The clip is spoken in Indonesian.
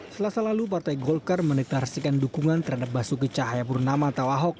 selasa lalu partai golkar mendeklarasikan dukungan terhadap basuki cahayapurnama atau ahok